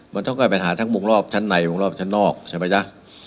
มันต้องแก้ปัญหาทั้งวงรอบชั้นในวงรอบชั้นนอกใช่ไหมจ๊ะ